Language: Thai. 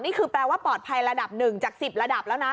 นี่คือแปลว่าปลอดภัยระดับ๑จาก๑๐ระดับแล้วนะ